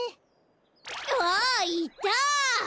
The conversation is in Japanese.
あっいた！